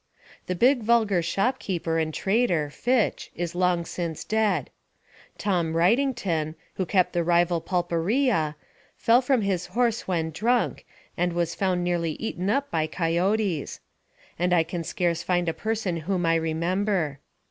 The big vulgar shop keeper and trader, Fitch, is long since dead; Tom Wrightington, who kept the rival pulpería, fell from his horse when drunk, and was found nearly eaten up by coyotes; and I can scarce find a person whom I remember.